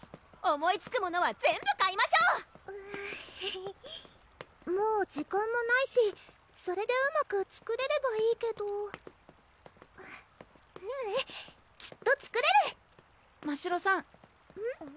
思いつくものは全部買いましょうもう時間もないしそれでうまく作れればいいけどううんきっと作れる！ましろさんうん？